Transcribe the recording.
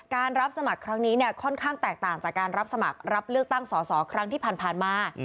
รับสมัครครั้งนี้เนี่ยค่อนข้างแตกต่างจากการรับสมัครรับเลือกตั้งสอสอครั้งที่ผ่านมา